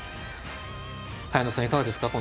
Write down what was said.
早野さん、いかがですか？